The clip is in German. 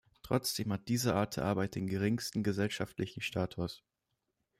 Trotzdem hat diese Art der Arbeit den geringsten gesellschaftlichen Status.